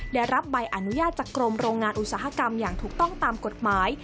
ได้รับใบอนุญาตจากกรมโรงงานอุตสาหกรรมอย่างถูกต้องตามกฎหมาย